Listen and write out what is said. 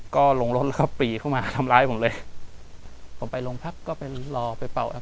กลับมาที่สุดท้ายและกลับมาที่สุดท้าย